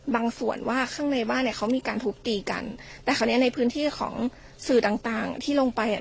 ส่วนว่าข้างในบ้านเนี้ยเขามีการทุบตีกันแต่คราวเนี้ยในพื้นที่ของสื่อต่างต่างที่ลงไปอ่ะ